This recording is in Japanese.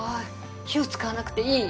火を使わなくていい。